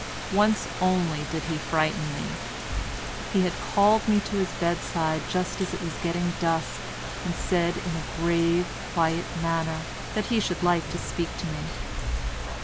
Once only did he frighten me. He called me to his bedside just as it was getting dusk and said in a grave, quiet manner that he should like to speak to me.